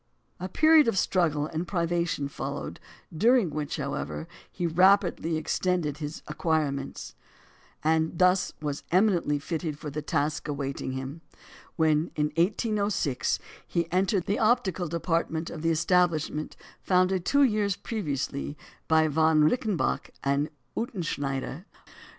A period of struggle and privation followed, during which, however, he rapidly extended his acquirements; and was thus eminently fitted for the task awaiting him, when, in 1806, he entered the optical department of the establishment founded two years previously by Von Reichenbach and Utzschneider.